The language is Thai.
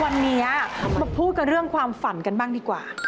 วันนี้มาพูดกับเรื่องความฝันกันบ้างดีกว่า